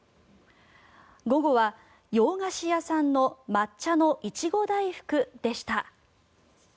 午後は、洋菓子屋さんの抹茶の苺大福でした。